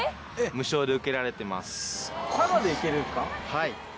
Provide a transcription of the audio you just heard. はい。